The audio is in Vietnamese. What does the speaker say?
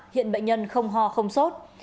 hiện bệnh nhân không hoa không sốt